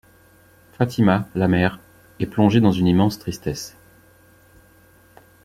Fatima, la mère, est plongée dans une immense tristesse.